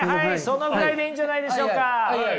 そのぐらいでいいんじゃないでしょうか。